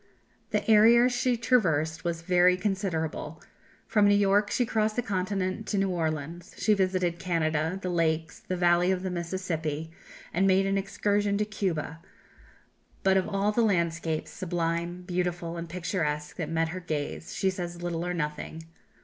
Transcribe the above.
The area she traversed was very considerable; from New York she crossed the continent to New Orleans; she visited Canada, the lakes, the valley of the Mississippi, and made an excursion to Cuba; but of all the landscapes, sublime, beautiful, and picturesque that met her gaze, she says little or nothing.